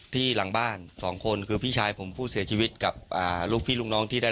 หลังบ้านสองคนคือพี่ชายผมผู้เสียชีวิตกับลูกพี่ลูกน้องที่ได้